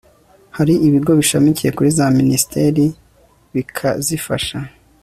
hari ibigo bishamikiye kuri za minisiteri bikazifasha